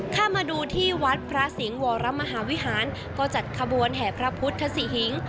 ถ้ามาดูที่วัดพระสิงห์วรมหาวิหารก็จัดขบวนแห่พระพุทธศรีหิง